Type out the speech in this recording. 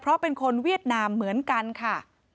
เพราะเป็นคนเวียดนามเหมือนกันค่ะ